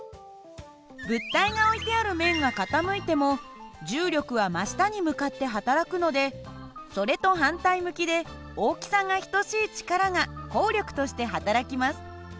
物体が置いてある面が傾いても重力は真下に向かってはたらくのでそれと反対向きで大きさが等しい力が抗力としてはたらきます。